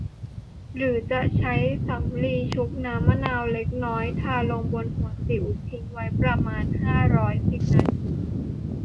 หรือจะใช้สำลีชุบน้ำมะนาวเล็กน้อยทาลงบนหัวสิว ทิ้งไว้ประมาณ ห้าร้อยสิบ นาที